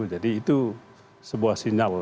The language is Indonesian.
jadi itu sebuah sinyal